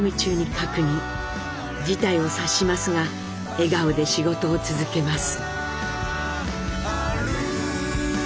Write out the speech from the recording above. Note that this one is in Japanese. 事態を察しますが笑顔で仕事を続けます。